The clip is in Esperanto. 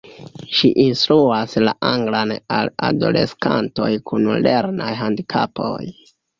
Ŝi instruas la anglan al adoleskantoj kun lernaj handikapoj.